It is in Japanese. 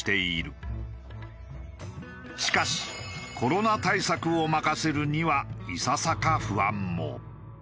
しかしコロナ対策を任せるにはいささか不安も。